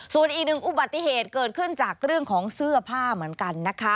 ส่วนอีกหนึ่งอุบัติเหตุเกิดขึ้นจากเรื่องของเสื้อผ้าเหมือนกันนะคะ